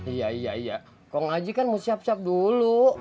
iya iya iya kalau ngaji kan mau siap siap dulu